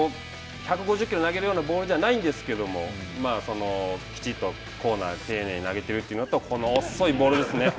１５０キロを投げるようなボールじゃないんですけどきちんとコーナー丁寧に投げているというのとこの遅いボールですね。